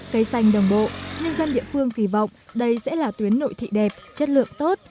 cây xanh đồng bộ nhân dân địa phương kỳ vọng đây sẽ là tuyến nội thị đẹp chất lượng tốt